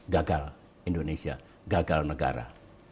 gagal indonesia gagal negara